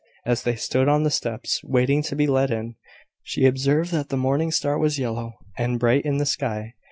As they stood on the steps, waiting to be let in, she observed that the morning star was yellow and bright in the sky.